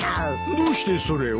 どうしてそれを？